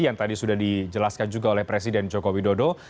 yang tadi sudah dijelaskan juga oleh presiden joko widodo